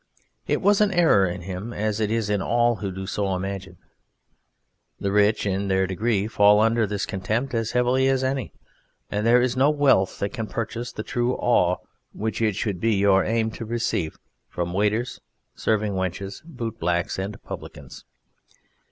It was an error in him, as it is in all who so imagine. The rich in their degree fall under this contempt as heavily as any, and there is no wealth that can purchase the true awe which it should be your aim to receive from waiters, serving wenches, boot blacks, and publicans.